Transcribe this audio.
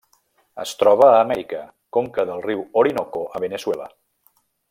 Es troba a Amèrica: conca del riu Orinoco a Veneçuela.